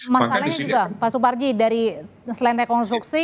masalahnya juga pak suparji dari selain rekonstruksi